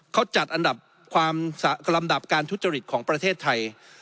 เขาจัดอันดับลำดับการทุจริตของประเทศไทย